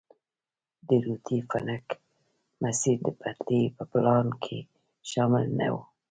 د روټي فنک مسیر د پټلۍ په پلان کې شامل نه وو.